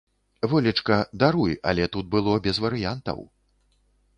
Волечка, даруй, але тут было без варыянтаў.